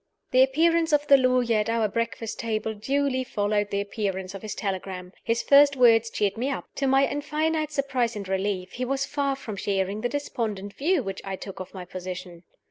The appearance of the lawyer at our breakfast table duly followed the appearance of his telegram. His first words cheered me. To my infinite surprise and relief, he was far from sharing the despondent view which I took of my position.